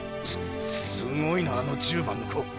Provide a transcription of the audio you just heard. すすごいなあの１０番の子。